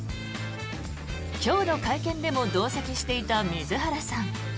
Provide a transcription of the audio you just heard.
今日の会見でも同席していた水原さん。